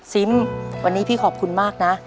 ซิมวันนี้พี่ขอบคุณมากนะ